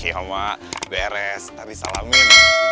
iya emak beres tadi salamin